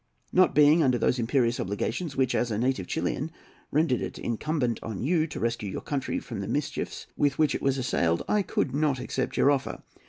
Not being under those imperious obligations which, as a native Chilian, rendered it incumbent on you to rescue your country from the mischiefs with which it was assailed, I could not accept your offer.